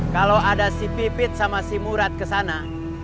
kalau ada si pipit sama si murad kesana